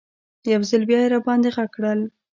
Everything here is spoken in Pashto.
یو ځل بیا یې راباندې غږ کړل.